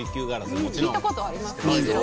聞いたことあります。